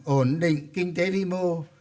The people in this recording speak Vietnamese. ổn định kinh tế đi mô